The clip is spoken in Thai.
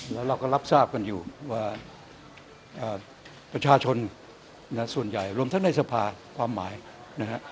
แล้วเราก็รับทราบกันอยู่ว่าประชาชนส่วนใหญ่รวมทั้งในสภาความหมายนะฮะ